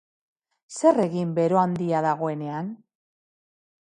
Zer egin bero handia dagoenean?